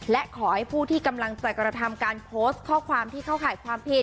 และขอให้ผู้ที่กำลังจะกระทำการโพสต์ข้อความที่เข้าข่ายความผิด